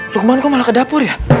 lukman kok malah ke dapur ya